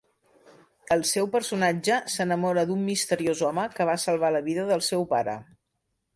El seu personatge s'enamora d’un misteriós home que va salvar la vida del seu pare.